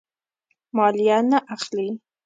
مالیه نه اخلي.